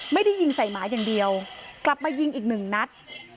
ไม่ได้ยิงใส่หมาอย่างเดียวกลับมายิงอีกหนึ่งนัด